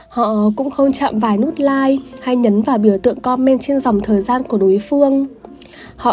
họ cũng không chạm vài nút like hay nhấn vào biểu tượng comment trên dòng thời gian của đối phương họ